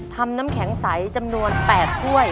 น้ำแข็งใสจำนวน๘ถ้วย